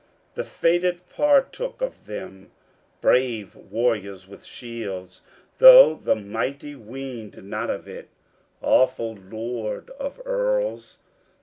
The fated partook of them, Brave warriors with shields, though the mighty weened not of it, Awful lord of earls.